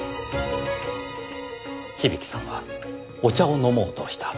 響さんはお茶を飲もうとした。